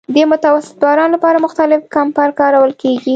د متوسط باران لپاره مختلط کمبر کارول کیږي